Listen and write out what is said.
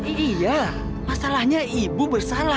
iya masalahnya ibu bersalah